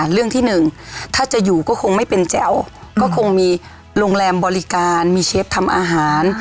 เรื่องที่หนึ่งถ้าจะอยู่ก็คงไม่เป็นแจ๋วก็คงมีโรงแรมบริการมีเชฟทำอาหาร